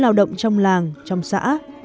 lao động trong làng trong xã